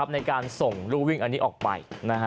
ในการส่งรูวิ่งอันนี้ออกไป